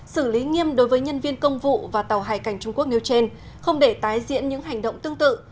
xử lý nghiêm đối với nhân viên công vụ và tàu hải cảnh trung quốc nêu trên không để tái diễn những hành động tương tự